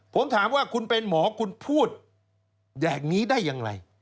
ผมถามว่าคุณเป็นหมอคุณพูดแบบนี้ได้อย่างไร